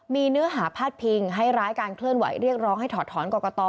มีเนื้อหาพาดพิงให้ร้ายการเคลื่อนไหวเรียกร้องให้ถอดถอนกรกต